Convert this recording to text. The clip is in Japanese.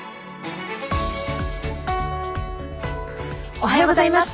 おはようございます。